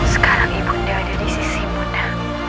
sekarang ibu bunda ada di sisi bunda